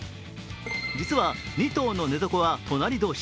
実は２頭の寝床は隣同士。